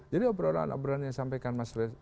jadi obrolan obrolan yang disampaikan